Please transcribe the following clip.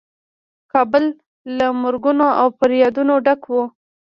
کابل له مرګونو او فریادونو ډک و.